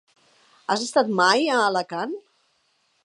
Has estat mai a Alacant?